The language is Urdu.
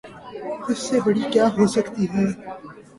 اس سے بڑی کیا ہو سکتی ہے؟